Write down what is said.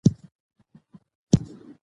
هر څوک حق لري چې په دې ژورنال کې ګډون وکړي.